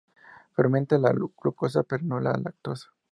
Fermenta la glucosa pero no la lactosa.